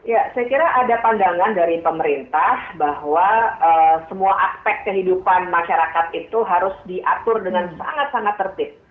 ya saya kira ada pandangan dari pemerintah bahwa semua aspek kehidupan masyarakat itu harus diatur dengan sangat sangat tertib